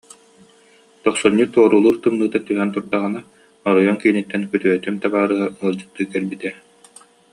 Тохсунньу торулуур тымныыта түһэн турдаҕына оройуон кииниттэн күтүөтүм табаарыһа ыалдьыттыы кэлбитэ